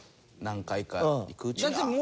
何回か行くうちに。